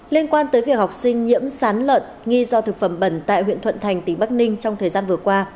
liên quan tới việc học sinh nhiễm sán lợn nghi do thực phẩm bẩn tại huyện thuận thành tỉnh bắc ninh trong thời gian vừa qua